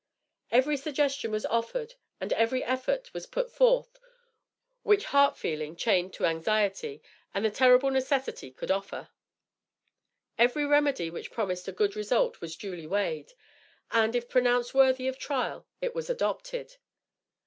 Every suggestion was offered and every effort was put forth which heart feeling chained to anxiety and the terrible necessity, could offer. Every remedy which promised a good result was duly weighed; and, if pronounced worthy of trial, it was adopted.